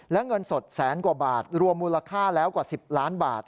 และเงินสดแสนกว่าบาทรวมมูลค่าแล้วกว่า๑๐ล้านบาท